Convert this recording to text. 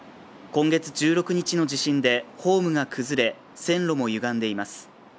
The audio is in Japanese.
今月１６日の地震でホームが崩れ線路もゆがんでいます。